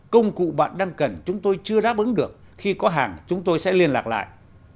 công cụ bạn đang cần chúng tôi chưa đáp ứng được khi có hàng chúng tôi sẽ liên lạc lại